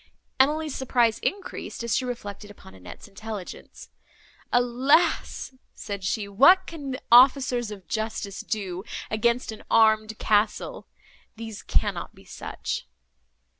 Emily's surprise increased, as she reflected upon Annette's intelligence. "Alas!" said she, "what can the officers of justice do against an armed castle? these cannot be such."